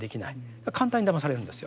だから簡単にだまされるんですよ。